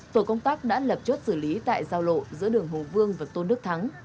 tổ công tác đã lập chốt xử lý tại giao lộ giữa đường hồ vương và tôn đức thắng